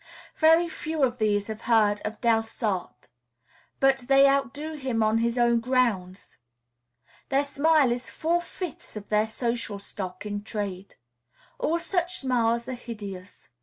Very few of these have heard of Delsarte; but they outdo him on his own grounds. Their smile is four fifths of their social stock in trade. All such smiles are hideous.